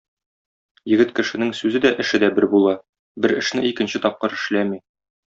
Егет кешенең сүзе дә, эше дә бер була, бер эшне икенче тапкыр эшләми.